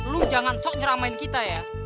lu jangan sok nyeramain kita ya